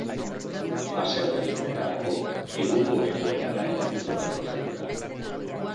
Fase berri honetarako, egungo egoerara egokitu da prozedura.